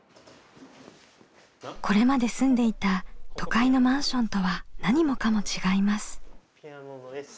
これまで住んでいた都会のマンションとは何もかも違います。